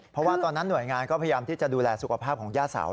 เพราะว่าตอนนั้นหน่วยงานก็พยายามที่จะดูแลสุขภาพของย่าเสา